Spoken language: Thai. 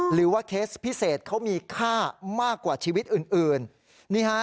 หรือว่าเคสพิเศษเขามีค่ามากกว่าชีวิตอื่น